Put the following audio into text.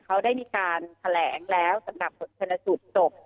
เขาได้มีการแถลงแล้วสำหรับรถเทรนตูปจบ